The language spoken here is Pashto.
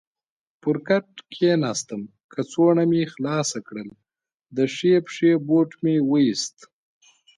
پر کټ کېناستم، کڅوړه مې خلاصه کړل، د ښۍ پښې بوټ مې وایست.